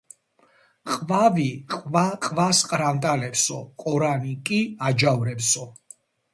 ყვავი ყვა-ყვას ყრანტალებსო, ყორანი კი აჯავრებსო